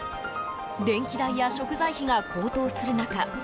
電気代や食材費が高騰する中